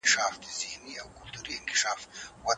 استازي کله په ټاکنو کي ګډون کوي؟